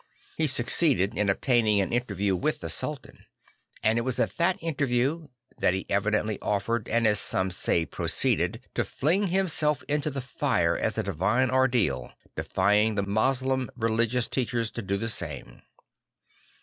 He succeeded in obtaining an inter view with the Sultan; and it was at that interview that he evidently offered, and as some say pro ceeded, to fling himself into the fire as a divine ordeal, defying the Moslem religious teachers to do the same.